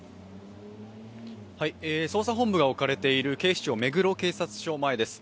捜査本部が置かれている警視庁目黒警察署前です。